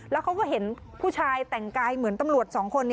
แล้วเขาก็เห็นผู้ชายแต่งกายเหมือนตำรวจสองคน